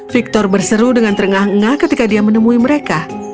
victor berseru dengan terengah engah ketika dia menemui mereka